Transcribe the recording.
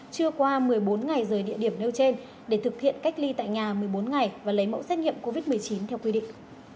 trưa qua một mươi bốn ngày rời địa điểm nêu trên để thực hiện cách ly tại nhà một mươi bốn ngày và lấy mẫu xét nghiệm covid một mươi chín theo quy định